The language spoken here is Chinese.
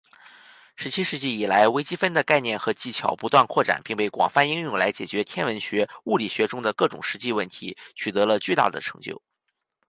十七世纪以来，微积分的概念和技巧不断扩展并被广泛应用来解决天文学、物理学中的各种实际问题，取得了巨大的成就。